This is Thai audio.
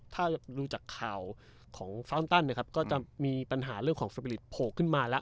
ถ้าดูจากข่าวของเนี้ยครับก็จะมีปัญหาเรื่องของโผล่ขึ้นมาแล้ว